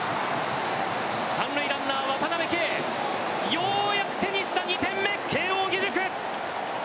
３塁ランナー、渡辺憩ようやく手にした２点目慶応義塾！